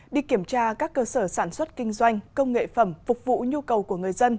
đi kiểm tra các cơ sở sản xuất kinh doanh công nghệ phẩm phục vụ nhu cầu của người dân